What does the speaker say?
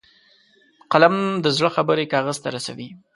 قلم د زړه خبرې کاغذ ته رسوي